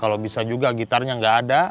kalau bisa juga gitarnya nggak ada